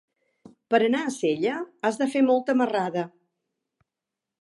Per anar a Sella has de fer molta marrada.